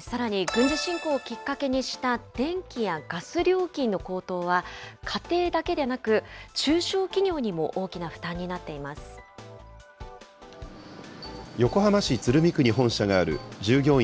さらに軍事侵攻をきっかけにした電気やガス料金の高騰は、家庭だけでなく、中小企業にも大き横浜市鶴見区に本社がある従業員